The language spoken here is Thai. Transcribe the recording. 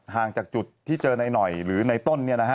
ห่างจากจุดที่เจอนายหน่อยหรือในต้น